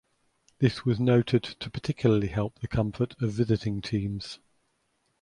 This was noted to particularly help the comfort of visiting teams.